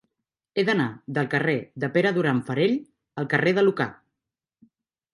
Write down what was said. He d'anar del carrer de Pere Duran Farell al carrer de Lucà.